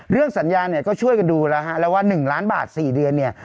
เรื่องสัญญาเนี่ยก็ช่วยกันดูแล้วฮะแล้วว่า๑ล้านบาท๔เดือนเนี่ย